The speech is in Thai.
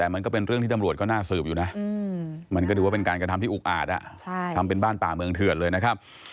มันก็ถือว่าเป็นการกระทำที่อุ๊กอาดทำเป็นบ้านตาเมืองเถือดเลยนะครับ